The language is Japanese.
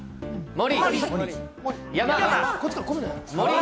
森！